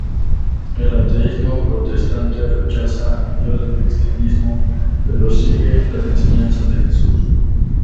El ateísmo protestante rechaza al dios del cristianismo, pero sigue las enseñanzas de Jesús.